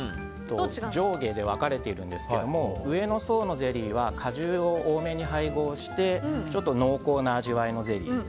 上下で分かれているんですけど上の層のゼリーは果汁を多めに配合してちょっと濃厚な味わいのゼリー。